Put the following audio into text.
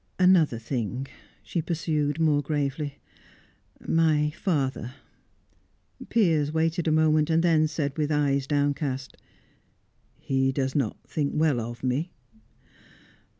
"Another thing," she pursued, more gravely. "My father " Piers waited a moment, then said with eyes downcast: "He does not think well of me?"